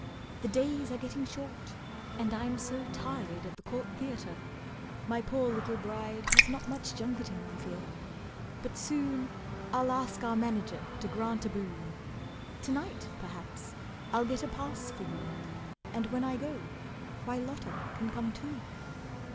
The days are getting short, and I'm so tied At the Court Theatre my poor little bride Has not much junketing I fear, but soon I'll ask our manager to grant a boon. To night, perhaps, I'll get a pass for you, And when I go, why Lotta can come too.